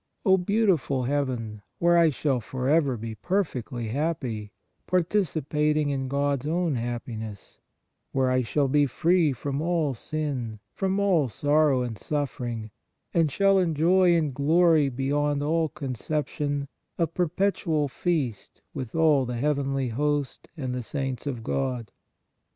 O beautiful Heaven, where I shall forever 4 PRAYER be perfectly happy, participating in God s own hap piness; where I shall be free from all sin, from all sorrow and suffering, and shall enjoy in glory be yond all conception a perpetual feast with all the heavenly host and the saints of God.